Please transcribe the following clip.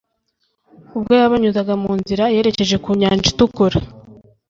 ubwo yabanyuzaga mu nzira yerekeje ku nyanja itukura,